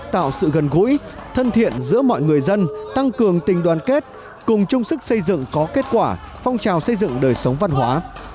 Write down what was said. tạo sự gần gũi thân thiện giữa mọi người dân tăng cường tình đoàn kết cùng chung sức xây dựng có kết quả phong trào xây dựng đời sống văn hóa